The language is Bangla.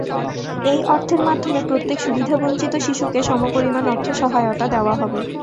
এই অর্থের মাধ্যমে প্রত্যেক সুবিধাবঞ্চিত শিশুকে সমপরিমাণ অর্থসহায়তা দেওয়া হবে।